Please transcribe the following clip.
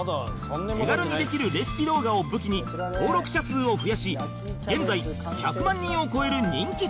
手軽にできるレシピ動画を武器に登録者数を増やし現在１００万人を超える人気チャンネルに